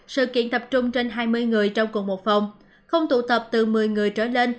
sự kiện tập trung trên hai mươi người trong cùng một phòng không tụ tập từ một mươi người trở lên